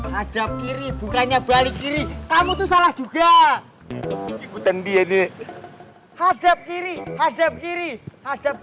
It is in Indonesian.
hadab kiri bukannya balik kiri kamu tuh salah juga ikutan dia nih hadap kiri hadap kiri hadap